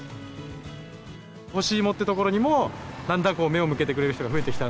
干し芋ってところにも、だんだん目を向けてくれる人が増えてきた。